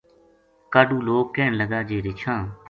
کاہڈوں لوک کہن لگا جے رچھا ں